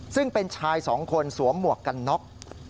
ซึ่งเป็นชายสองคนสวมหมวกกันน็อก